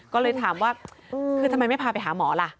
ก็เลยถามว่าคือทำไมไม่พาไปหาหมอล่ะ